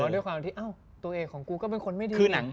แล้วยังปฏิเสธที่ตัวเอกของกูได้ไม่ดูง่าย